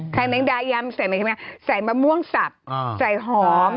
ใครไม่ได้ยำใส่ไหมใส่มะม่วงสับใส่หอม